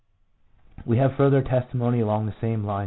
We have further testimony along the same line.